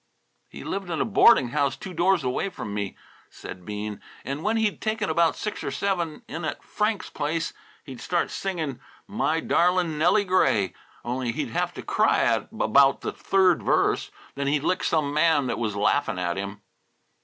"He lived in a boarding house two doors away from me," said Bean. "And when he'd taken about six or seven in at Frank's Place, he'd start singing 'My Darling Nellie Gray,' only he'd have to cry at about the third verse; then he'd lick some man that was laughing at him."